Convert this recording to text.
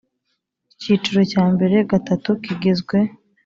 Icyiciro cya mbere gatatu kigizwe